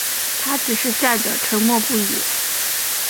他只是站着沉默不语